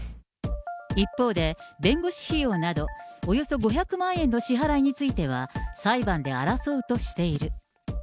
一方で、弁護士費用などおよそ５００万円の支払いについては、裁判で争うとしている。